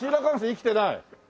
生きてない。